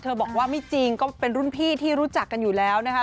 บอกว่าไม่จริงก็เป็นรุ่นพี่ที่รู้จักกันอยู่แล้วนะคะ